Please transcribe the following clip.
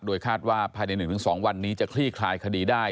คาดว่าภายใน๑๒วันนี้จะคลี่คลายคดีได้